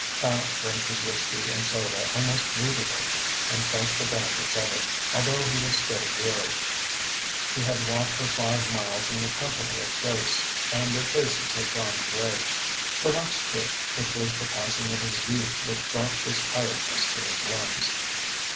Tallente drank his whisky and soda almost greedily and felt the benefit of it, although he was still weary. He had walked for five miles in the company of ghosts and their faces had been grey. Perhaps, too, it was the passing of his youth which brought this tiredness to his limbs.